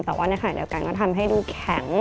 แต่ว่าในขณะเดียวกันก็ทำให้ดูแข็ง